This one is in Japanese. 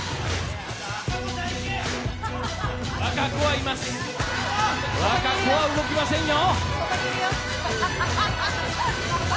和歌子は動きませんよ。